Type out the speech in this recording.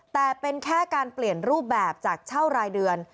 แต่เป็นแค่การเปลี่ยนรูปแบบจากเช่ารายเดือน